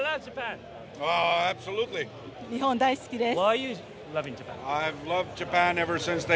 日本、大好きです！